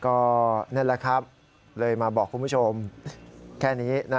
ก็นั่นแหละครับเลยมาบอกคุณผู้ชมแค่นี้